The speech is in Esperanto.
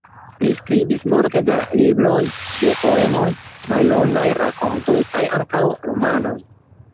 Li skribis multe da libroj de poemoj, mallongaj rakontoj, kaj ankaŭ romanoj.